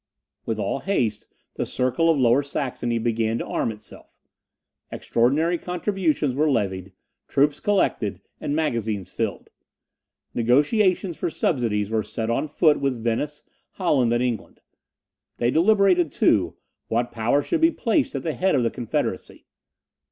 With all haste, the circle of Lower Saxony began to arm itself. Extraordinary contributions were levied, troops collected, and magazines filled. Negociations for subsidies were set on foot with Venice, Holland, and England. They deliberated, too, what power should be placed at the head of the confederacy.